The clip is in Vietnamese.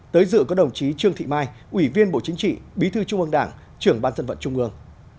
tới dự có đồng chí trương thị mai ủy viên bộ chính trị bí thư trung ương đảng trưởng ban dân vận trung ương